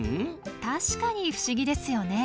確かに不思議ですよね。